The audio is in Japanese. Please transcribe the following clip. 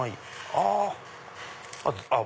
あっ！